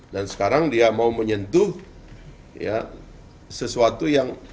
dan sekarang dia mau menyentuh sesuatu yang